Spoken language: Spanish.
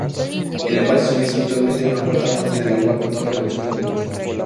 El embalse suministra actualmente una cuarta parte del agua potable consumida por Moscú.